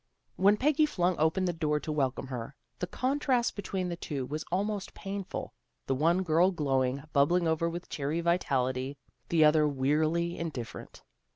When Peggy flung open the door to welcome her, the contrast between the two was almost painful, the one girl glowing, bubbling over with cheery vitality, the other wearily indifferent.